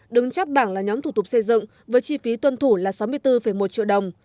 đứng chát bảng là nhóm thủ tục xây dựng với chi phí tuân thủ là sáu mươi bốn một triệu đồng